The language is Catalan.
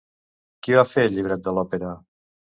Qui va fer el llibret de l'òpera?